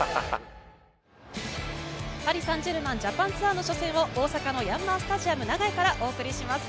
パリ・サンジェルマンジャパンツアーの初戦を大阪のヤンマースタジアム長居からお送りします。